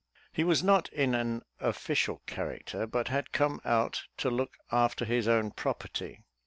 He was not in an official character, but had come out to look after his own property.